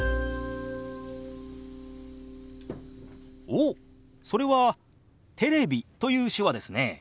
おっそれは「テレビ」という手話ですね。